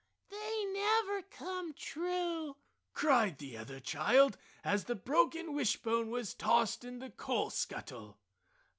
"They never come true!" cried the other child as the broken wishbone was tossed in the coal scuttle.